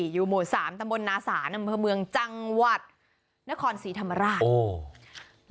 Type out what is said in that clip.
อยู่โหมด๓ตะบลนาสานมจังหวัดนครศรีธรรมราช